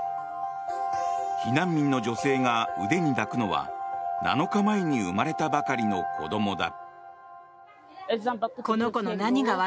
避難民の女性が腕に抱くのは７日前に生まれたばかりの子供だ。